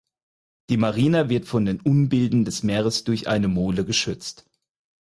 Die Marina wird vor den Unbilden des Meeres durch eine Mole geschützt.